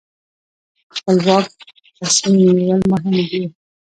خپلواک تصمیم نیول مهم دي.